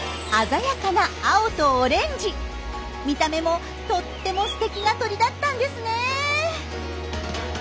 見た目もとってもすてきな鳥だったんですね！